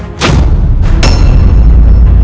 jangan lupa like share dan subscribe